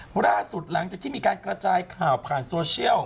ล่าสุดหลังจากที่มีการกระจายข่าวผ่านโซเชียล